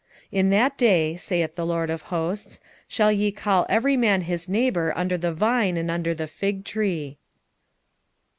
3:10 In that day, saith the LORD of hosts, shall ye call every man his neighbour under the vine and under the fig tree.